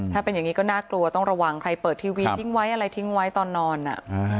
ถ้าเป็นอย่างนี้ก็น่ากลัวต้องระวังใครเปิดทีวีทิ้งไว้อะไรทิ้งไว้ตอนนอน